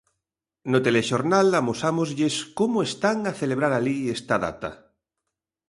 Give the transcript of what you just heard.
No telexornal amosámoslles como están a celebrar alí esta data.